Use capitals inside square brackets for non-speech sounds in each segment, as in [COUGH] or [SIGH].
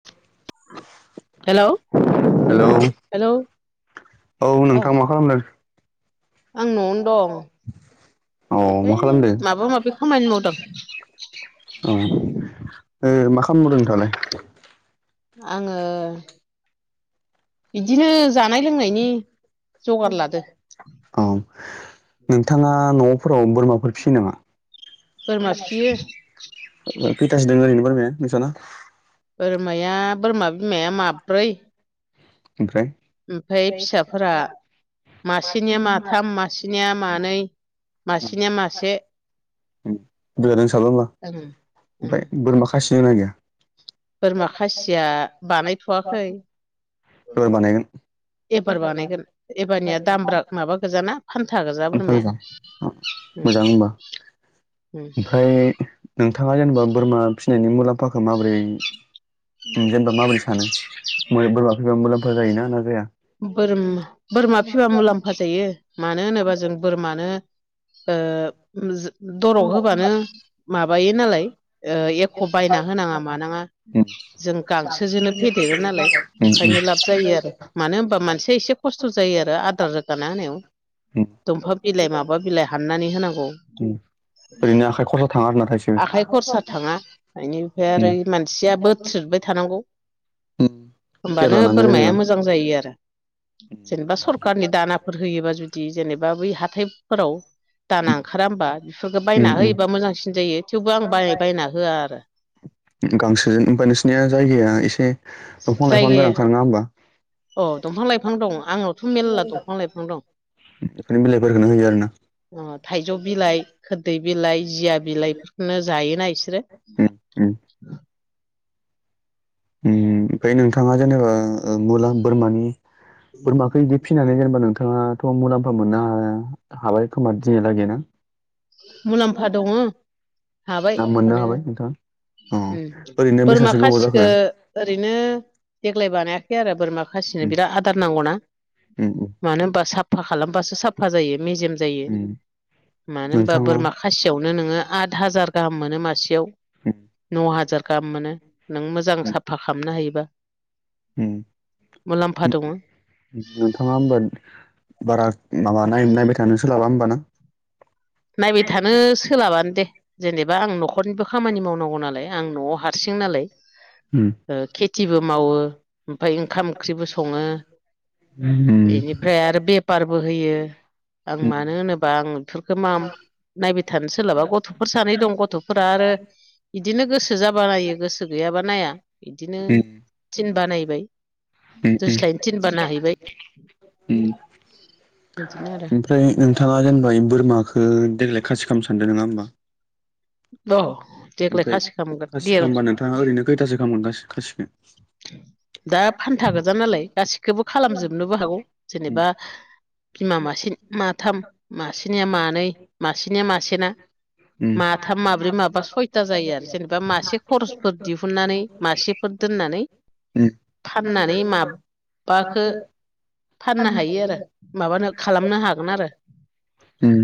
[INAUDIBLE] Hello hello hello औ ओ नोंथां मा खालामदों आं न'आवनो दं औ ओइ मा खालामदो माबा माबि खामानि मावदों अ मा [UNINTELLIGIBLE] नोंथाङालाय आङो बिदिनो जानाय लोंनायनि जगार लादो औ नोंथाङा न'फोराव बोरमाफोर फियो नामा बोरमा फियो खैथाासो दों ओरैनो बोरमाया नोंसाना बोरमाया बोरमा बिमाया माब्रै ओमफ्राय ओमफाय फिसाफोरा मासेनिया माथाम मासेनिया मानै मासेनिया मासे [UNINTELLIGIBLE] ओं ओं ओमफ्राय बोरमा खासिनो ना गैया बोरमा खासिया बानायथ'वाखै [UNINTELLIGIBLE] बानायगोन एबार बानायगोन एबारनिया दामब्रा माबा गोजाना फान्था गोजा बोरमाया मोजां उम मोजां होनबा [INAUDIBLE] नोंथाङा जेनेबा बोरमा फिसिनायनि मुलाम्फाखौ माबोरै जेनेबा माबोरै सानो बोरमा फैबा मुलाम्फा जायोना ना जाया बोरा बोरमा फिबा मुलाम्फा जायो मानो होनोबा जों बोरमानो ओ दरग होबानो माबायो नालाय ओ एख' बायना होनाङा मानाङा उम जों गांसोजोंनो फेदेरो नालाय उम ओंखायनो लाब जायो आरो मानो होनबा मानसिया एसे खस्थ' जायो आरो आदार रोगाना होनायाव उम दंफां बिलाइ माबा बिलाइ हाननानै होनांगौ उम ओरैनो आखाइ खरसा थाङा आरोना थाइसेबो आखाइ खरसा थाङा बेनिफ्राय आरो उम मानसिया बो थ्रिदबाय थानांगौ उम केयार होनबानो लानांगौ बोरमाया जेनेबा मोजां जायो आरो जेनेबा सरखारनि दानाफोर होयोबा जुदि बिदि जेनेबा बै हाथायफोराव दाना उम ओंखारा होमबा बेफोरफोरखौ बायना उम होयोबा मोजांसिन जायो थेवबो आं बाय बायना होआ आरो गांसोजों [UNINTELLIGIBLE] नोंसनिया जायगाया एसे दंफां लाइफां जायगाया गोनांखाार नङा होमबा औ दंफां लाइफां दं आंनावथ' मेरला दंफां लाइफां दं बेफोरनि बिलाइफोरखौनो होयो आरो ना अ थाइजौ बिलाइ खोरदै बिलाइ जिया बिलाइफोरखौनो जायोना इसोरो उम उम ओम ओमफ्राय नोंथाङा जेनेबा मुला बोरमानि बोरमाखौ इदि फिनानै जेनेबा नोंथाङा थ' मुलाम्फा मोननो हा हाबाय खोमा दिनिया लागै ना मुलाम्फा दङ हाबाय ना मोननो माने हाबाय नोंथाङा अ उम ओरैनो बोरमा बेसेबांसो गोबाव जाखो खासिखो ओरैनो देग्लाय बानायाखै आरो बोरमा खासिनो उम बिराद आदार नांगौना उम उम मानो होनबा साबफा खालामबासो साबफा जायो मेजेम जायो उम मानो होनबा नोंथाङा बोरमा खासियावनो नोङो आद हाजार गाहाम मोनो मासेयाव उम न' हाजार गाहाम मोनो नों मोजां उम साफा खामनो हायोबा मुलाम्फा उम दङ नोंथाङा होमबा बारा माबा नाय नायबाय थानो सोलाबा होमबाना नायबाय थानो सोलाबानो दे जेनेबा आं न'खरनिबो खामानि मावनांगौ नालाय आं न'आव हा सिं नालाय ओ खेथिबो मावो ओमफफ्राय ओंखाम ओंख्रिबो सङो एनिफ्राय आरो बेफारबो होयो आं मानो होनोबा आं खोमाम नायबाय थानो सोलाबा गथ'फोर सानै दं गथ'फोरा आरो इदिनो गोसो जाबा नायो गोसो गैयाबा नाया इदिनो थिनबा नायबाय। उम उम दोस्लायनो थिनबा नायहैबाय उम बिदिनो आरो ओमफ्राय नोंथाङा जेनबा इम बोरमाखो देग्लाय खासि खामनो सानदो नोङा ओनबा? औ देग्लाय ओमफ्राय खालामगोन खासि देर खामबा नोंथाङा ओरैनो कैथासो खामो गासै खासिखो? दा फान्था गोजा नालाय गासिखौबो खालामजोबनोबो हागौ उम जेनेबा बिमा मासे माथाम मासेनिया मानै मासेनिया मासेना उम माथाम, माब्रै, माबा, सयता जायो आरो जेनेबा मासे खरसफोर दिहुननानै मासेफोर दोननानै उम फाननानै माबबाखो फाननो हायो आरो। माबानो खालामनो हागोन आरो उम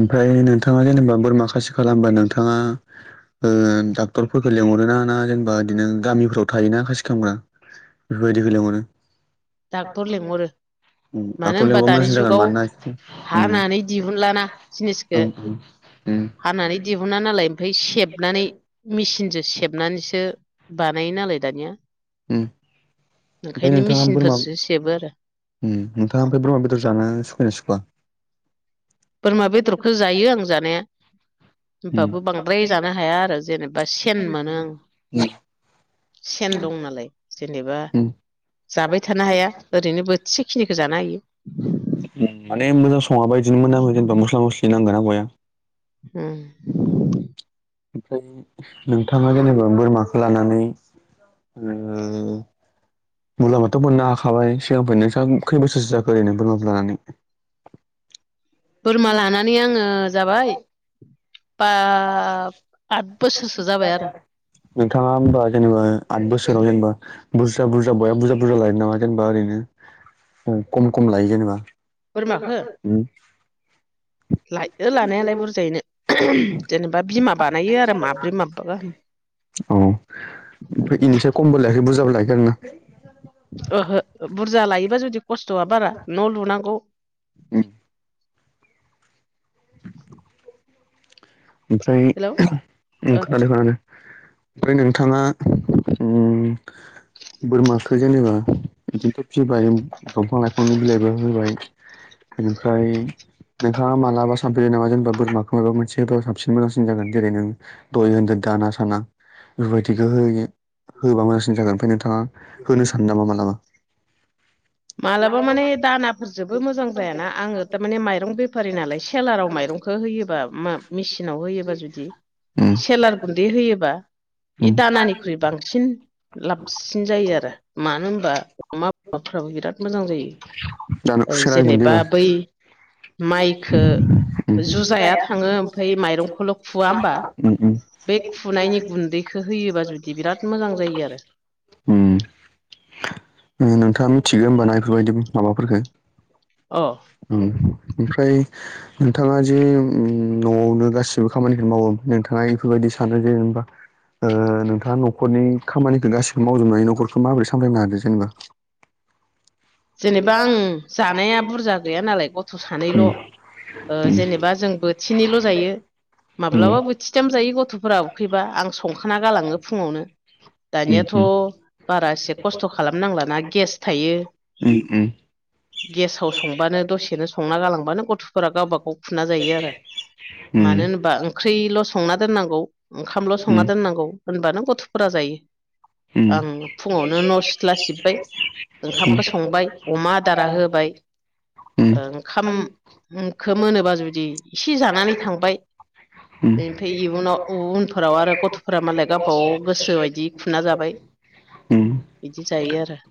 ओमफ्राय नोंथाङा जेनेबा बोरमा खासि खालामबा नोंथाङा ओ डाक्टरफोरखो लिंहरोना ना जेनेबा बिदिनो गामिफोराव थायोना खासि खामग्रा बेफोरबायदिखो लिंहरो डाक्टर लिंहरो मानो डाक्टर होनबा लिंबा दानि मोजांसिन जागोन जुगाव मानोना उम हानानै दिहुनलाना जिनिसखो ओं उम हानानै दिहुना नालाय ओमफाय सेबनानै मेचिनजो सेबनानैसो बानायो नालाय दानिया। उम ओमफाय नोंथाङा बो फोरजो सेबो आरो उ? म नोंथाङा ओमफ्राय बोरमा बेदर जानो सुखुयोना सुखुआ बोरमा बेदरखौ जायो आं जानाया। होमबाबो बांद्राय जानो हाया आरो जेनेबा सेन मोनो आं। उम सेन दं नालाय जेनेबा उम जाबाय थानो हाया ओरैनो बो थिसे खिनिखो जानो हायो। माने मोजां सङाबा इदिनो मोनामो जेनेबा मस्ला मस्लि नांगोना बया। उम उम ओमफाय नोंथाङा जेनेबा बोरमाखो लानानै नोङो मुलाम्फाथ' मोननो हाखाबाय सिगांनिफ्रायनो नोंसा कै बोसोरसो जाखो ओरैनो बोरमाखौ लानानै? बोरमा लानानै आङो जाबाय बा आद बोसोरसो जाबाय आरो नोंथाङा ओमबा जेनेबा आद बोसोराव जेनबा बुरजा बुरजा बया बुरजा बुरजा लायो नामा जेनबा ओरैनो कम कम लायो जेनेबा? बोरमाखौ बोरमाखो उम लायो लानायालाय बुरजायैनो जेनेबा बिमा बानायो आरो माब्रै माबा गाहाम औ ओमफ्राय इनिफ्राय खमबो लायाखै बुरजाबो लायाखै आरोना? ओहो बुरजा लायोबा जुदि खस्थ'आ बारा न' लुनांगौ। [INAUDIBLE] हेलौ ओमफ्राय [UNINTELLIGIBLE] ओ फोरालाय ओमफ्राय नोंथाङा उम बोरमाखो जेनेबा इदिनोथ' फिसिबाय दंफां लाइफांनि बिलाइबो होबाय बेनिफ्राय नोंथाङा मालाबा सानफेरा नामा जेनबा बोरमाखौ माबा मोनसे जेनबा साबसिन मोजांसिन जागोन जेरै नों दय होदो दाना साना बेफोरबायदिखौ होयो होबा मोजांसिन जागोन ओमफ्राय नोंथाङा होनो सानो नामा मालाबा? मालाबा माने दानाफोरजोंबो मोजां जायाना आङो थारमाने माइरं बेफारि नालाय सेलाराव माइरं खो होयोबा मेचिनाव होयोबा जुदि उम सेेलार गुन्दै होयोबा उम इ दानानिख्रुइ बांसिन लाबसिन जायो आरो मानो होनबा अमा फ्राबो बिराद मोजां जायो दाना ऐ सोरां जेनेबा गुन्दैबा बै माइखो उम जुजाया थाङो ओमफफ्राय माइरंखौल' खुवा होमबा उम बे खुनायनि गुन्दैखौ होयोबा जुदि बिराद मोजां जायो आरो उम नोंथाङा मिथिगौ होमबाना बेफोरबायदि माबाफोरफोरखौ अ औ ओमफ्राय नोंथाङा जे न'आवनो गासिबो खामानिखौ मावो नोंथाङा इफोरबायदि सानो जे जेनेबा नोंथाङा न'खरनि खामानिखौ गासिबो मावजोबनो हायो न'खरखखौ माबोरै सामलायनो हादों जेनेबा जेनेबा आं जानाया बुरजा गैया नालाय गथ' सानैल' उम उम जेनेबा जों बोथिनैल' जायो उम माब्लाबा बोथिथाम जायो गथ' गथ'फोरा उखैबा आं संखाना गालाङो फुङावनो उम दानियाथ' उम बारा एसे खस्थ' खालामनांलाना गेस थायो उम‌‌ उम गेसाव संबानो दसेनो संना गालांबानो गथ'फोरा गावबा गाव खुना जायो आरो मानो उम होनबा ओंख्रिल' संनाोननांगौ ओंखामल' संना दोननांगौ होनबानो गथ'फोरा जायो आं फुङावनो न' सिथ्ला सिब्बाय ओंखाम संबाय अमा आदारा होबाय ओंखामखौ मोनोबा जुदि इसे जानानै थांबाय उम फ्राय उनाव उनफोराव आरो गथ'फोरा मालाय गावबा गाव गोसो बायदि खुना जाबाय उम बिदि जायो आरो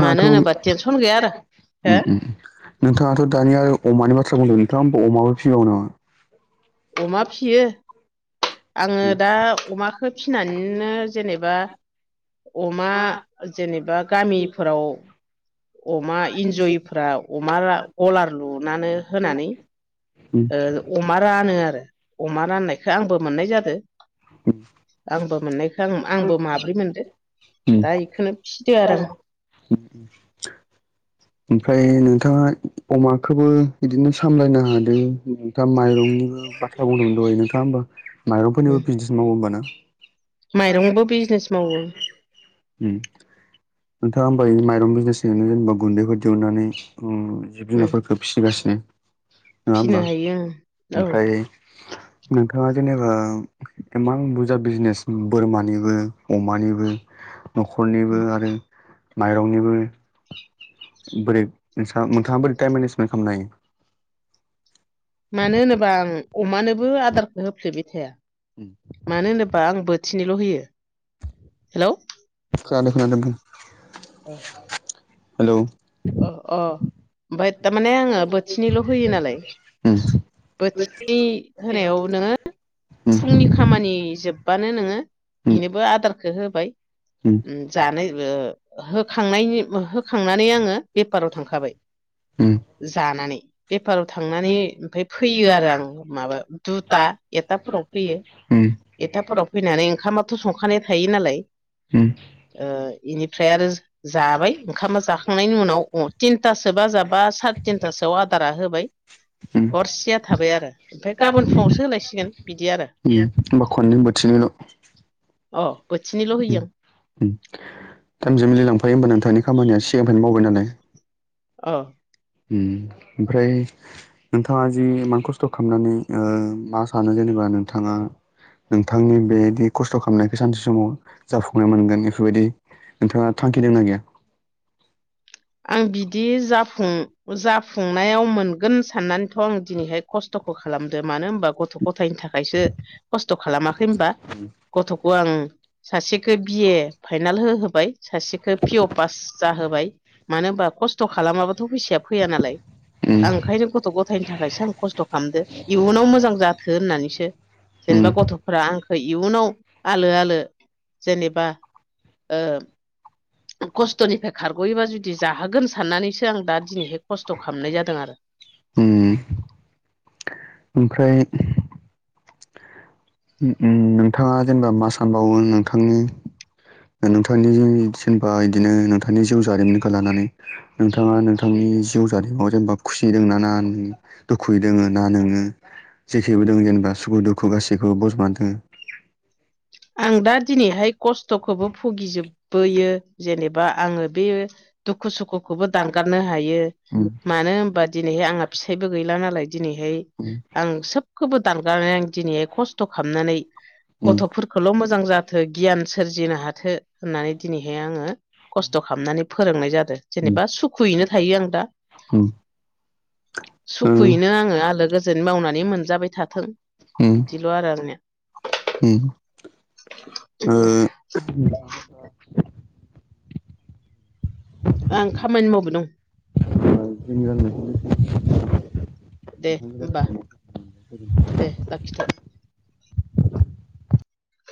मानो होनोबा टेनसन गैया आरो हो नोंथांङाथ' दानि आरो अमानि बाथ्रा बुंदों नोंथांङा होमबा अमाबो फिबावो नामा अमा फिसियो आङो दा अमाखौ फिनानैनो जेनेबा अमा जेनेबा गामिफोराव अमा एन्जयफ्रा अमा गलार लुनानै होनानै उम अमा रानो आरो अमा राननायखौ आंबो मोननाय जादों आंबो मोननायखौ आं आंबो माब्रै मोनदो दा बेखौनो फिदो आरो आं उम ओमफ्राय नोंथाङा अमाखौबो बिदिनो सामलायनो हादों नोंथाङा माइरंनि बाथ्रा बुंदोंमोन दै नोंथाङा होमबा उम माइरंफोरनिबो बिजनेस मावो हमबा नों माइरंबो बिजनेस मावो नोंथाङा होमबा बि माइरं बिजनेस जेनेबा गुन्दैखौ दौनानै जिब जुनारफोरखौ फिसिगासिनो नङा फिनो होमबा हायो ओं औ उम ओमफ्राय नोंथाङा जेनेबा इमान बुरजा बिजनेस बोरमानिबो अमानिबो [INAUDIBLE] न'खरनिबो आरो माइरंनिबो बोरै नों नोंथाङा बोरै टाइम मेनेजमेन्ट खालामनो हायो मानो होनोबा आं अमानोबो आदारखौ होफ्लेबाय थाया मानो होनोबा आंबो थिनैल' होयो हेल' हेलौ अ अ ओमफ्राय थारमाने आङो बोथिननैल' होयो नालाय उम बोथिनै होनायाव नोङो उम फुंनि खामानि जोब बानो नोङो उम बेनोबो आदारखौ होबाय जानो होखांनायनि होखांनानै आङो बेफाराव थांखाबाय जानानै बेपाराव थांनानै ओमफ्राय फैयो आरो आं माबा दुथा एथाफोराव फैयो एथाफोराव फैनानै ओंखामाथ' संखानाय थायो नालाय। उम। ओ इनिफ्राय आरो जा-जाबाय ओंखामा जाखांनायनि उनाव थिनथासोबा जाबा सार-तिन थासोआव आदारा होबाय हरसेया थाबाय आरो। ओमफाय गाबोन फुङावसो होलायसिगोन बिदि आरो। होमबा खननै बोथिनैल' अ बोथिनैल' होयो आं। उम [UNINTELLIGIBLE] लांफायो होमबा नोंथांनि खामानिया सिगांनिफ्रायनो मावबाय नालाय। अ उम ओमफ्राय नोंथाङा जि इमा खस्थ खस्थ' खालामनानै ओ मा सानो जेनेबा नोंथाङा नोंथांनि बेदि खस्थ' खालामनायखौ सानसे समाव जाफुंनाय मोनगोन बेफोर बायदि नोंथाङा थांखि दोंना गैया? आं बिदि जाफुं जा खुंनायाव मोनगोन साननानैथ' आं दिनैहाय खस्थ'खौ खालामदो मानो होनबा गथ'-गथायनि थाखायसो खस्थ' खालामाखै होनबा गथ'खौ आं सासेखो बि ए फाइनाल होहोबाय सासेखौ पि अ पास जाहोबाय। मानो होमबा खस्थ' खालामाबाथ' फैसाया फैया नालाय उम आं ओंखायनो गथ'-गथ' गथायनो थाखायसो आं खस्थ' खालामदो इयुनाव मोजां जाथो होननानैसो। उम जेनबा गथ'फोरा आंखो इयुनाव आलो-आलो जेनेबा ओ खस्थ'निफ्राय खारग'योबा जुदि जाहोगोन साननानैसो आं दा दिनैहाय खस्थ' खालामनाय जादों आरो [INAUDIBLE] उम। ओमफ्राय उम उम नोंथाङा जेनेबा मा सानबावो नोंथांनि नोंथांनि जेन-जेनबा बिदिनो नोंथांनि जिउ जारिमिनखौ लानानै नोंथाङा नोंथांनि जिउ जारिमिाव जेनेबा खुसि दों ना ना दुखुयै दोङो ना नोङो जेखिबो दङ' जेनेबा सुखु- दुखु गासैखौबो बजबना दोङो? आं दा दिनैहाय खस्थ'खौबो भुगिजोबबोयो जेनेबा आङो दि दुखु-सुखुखौबो दानगारनो हायो दोङो मानो होनबा दिनैहाय आंहा फिसायबो गैला नालाय दिनैहाय उम आं सोबखोबो दानगारनानै आं दिनैहाय खस्थ' खालामनानै उम गथ' खोल' मोजां जाथो गियान सोरजिनो हाथो होननानै दिनैहाय आङो खस्थ' खालामनानै फोरोंनाय जादो जेनेबा सुखुयैनो थायो आं दा। उम सुखुयैनो आङो आलो गोजोन मावनानै मोनजाबाय थाथों उम बिदिल' आरो आंनिया। उम। [INAUDIBLE] [INAUDIBLE] आं खामानि मावबाय दं। [INAUDIBLE] दे ओ ओमबा दे लाखिथ'।